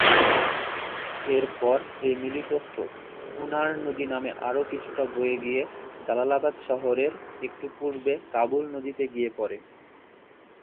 এরপর এই মিলিত স্রোত "কুনার" নদী নামে আরও কিছুটা বয়ে গিয়ে জালালাবাদ শহরের একটু পূর্বে কাবুল নদীতে গিয়ে পড়ে।